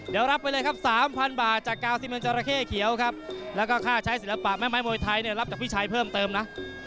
เดี๋ยวรับไปเลยครับ๓๐๐บาทจากกาวซิเมนจราเข้เขียวครับแล้วก็ค่าใช้ศิลปะแม่ไม้มวยไทยเนี่ยรับจากพี่ชัยเพิ่มเติมนะ